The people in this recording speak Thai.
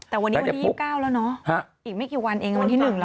แต่วันนี้วันที่๒๙แล้วเนอะอีกไม่กี่วันเองวันที่๑แล้ว